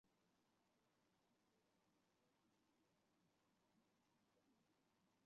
伊蒂乌巴是巴西巴伊亚州的一个市镇。